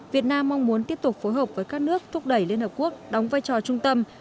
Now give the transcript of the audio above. việt nam mong muốn tiếp tục phối hợp với các nước thúc đẩy liên hợp quốc đóng vai trò trung tâm